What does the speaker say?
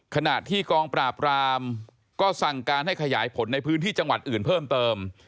ขณะที่กองปราบรามก็สั่งการให้ขยายผลในพื้นที่จังหวัดอื่นเพิ่มเติม